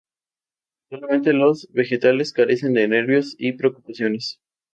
Solamente los vegetales carecen de nervios y preocupaciones.